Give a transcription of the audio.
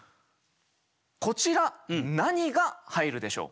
こちら何が入るでしょう？